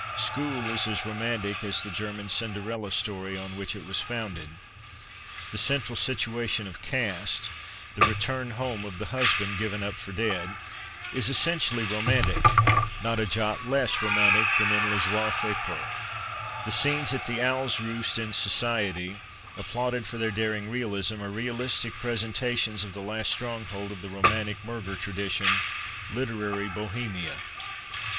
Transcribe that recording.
School is as romantic as the German Cinderella story, on which it was founded. The central situation of Caste — the return home of the iuisband given up for dead — is essentially romantic, not a jot less romantic than in Lajoiefait peur. The scenes at the " Owls Roost " in Society, applauded for their daring realism, are realistic presentations of the last stronghold of the romantic Murger tradition, literary " Bohemia."